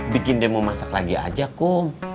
bikin dia mau masak lagi aja kok